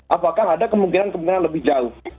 apakah ada kemungkinan kemungkinan lebih jauh